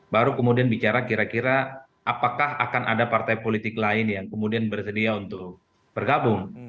baru kemudian bicara kira kira apakah akan ada partai politik lain yang kemudian bersedia untuk bergabung